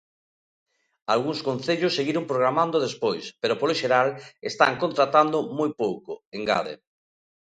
Algúns concellos seguiron programando despois, pero polo xeral están contratando moi pouco, engade.